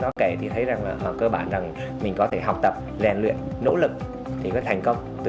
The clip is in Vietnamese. đó kể thì thấy rằng là họ cơ bản rằng mình có thể học tập luyện nỗ lực thì có thành công từ